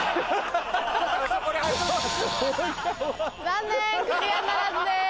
残念クリアならずです。